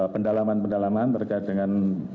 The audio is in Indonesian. pendalaman pendalaman terkait dengan